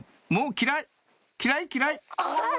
嫌い嫌い！」